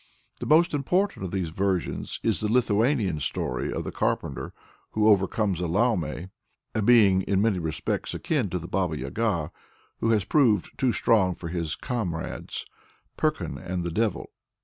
The most important of these versions is the Lithuanian story of the carpenter who overcomes a Laume a being in many respects akin to the Baba Yaga who has proved too strong for his comrades, Perkun and the Devil.